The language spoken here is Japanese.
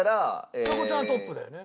ちさ子ちゃんトップだよね？